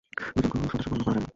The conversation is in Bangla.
দুইজন ক্রু সদস্য গণনা করা যাবে না।